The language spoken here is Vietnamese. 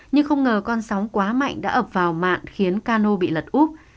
nhưng không ngờ con sóng quá mạnh đã ập vào mạng khiến cano bị lật úp